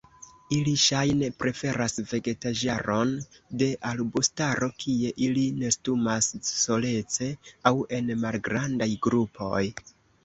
Ili ŝajne preferas vegetaĵaron de arbustaro kie ili nestumas solece aŭ en malgrandaj grupoj.